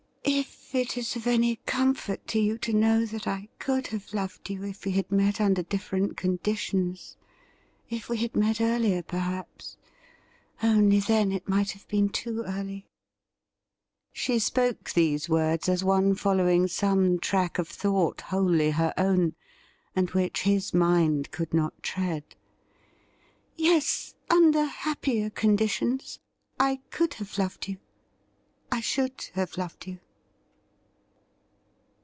' If it is of any comfort to you to know that I could have loved you if we had met under diflFerent conditions — ^if we had met earlier, perhaps — only then it might have been too early.' She spoke these words as one following some 102 THE RIDDLE RING track of thought wholly her own, and which his mind could not tread. ' Yes, under happier conditions I could have lov6d yoiu, I should have loved you.'